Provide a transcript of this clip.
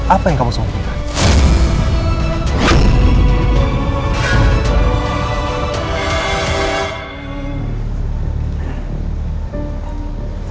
apa yang kamu sempat lakukan